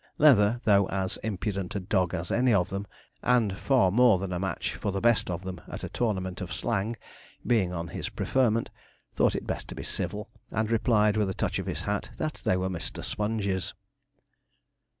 Leather, though as impudent a dog as any of them, and far more than a match for the best of them at a tournament of slang, being on his preferment, thought it best to be civil, and replied, with a touch of his hat, that they were 'Mr. Sponge's.'